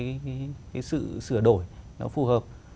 cái sự sửa đổi nó phù hợp